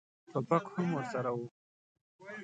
ټوپک هم ورسره و.